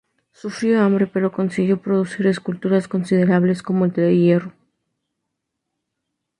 Sufrió hambre, pero consiguió producir esculturas considerables, como "El de hierro".